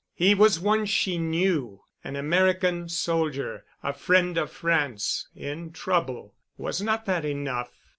He was one she knew, an American soldier, a friend of France, in trouble. Was not that enough?